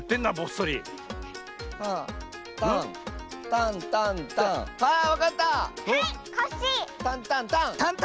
タンタンタン！